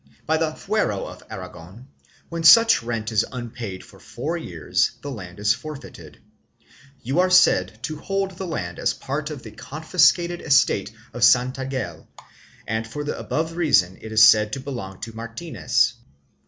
By the fuero of Aragon, when such rent is unpaid for four years the land is forfeited. You are said to hold the land as part of the con fiscated estate of Santangel and for the above reason it is said to belong to Martinez.